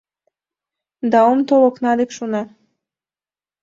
Да ом тол окна дек, шона?